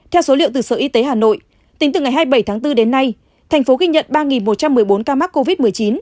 theo số liệu từ sở y tế hà nội tính từ ngày hai mươi bảy tháng bốn đến nay thành phố ghi nhận ba một trăm một mươi bốn ca mắc covid một mươi chín